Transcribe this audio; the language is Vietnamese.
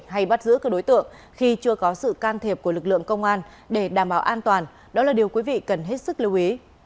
hay bắt giữ các đối tượng khi chưa có sự can thiệp của lực lượng công an để đảm bảo an toàn đó là điều quý vị cần hết sức lưu ý